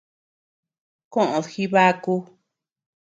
Koʼöd jibaku.